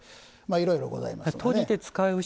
いろいろございます。